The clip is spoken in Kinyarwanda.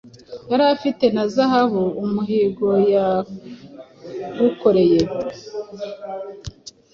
Yari afite na zahabu Umuhigo yagukoreye